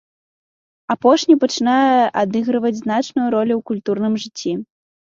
Апошні пачынае адыгрываць значную ролю ў культурным жыцці.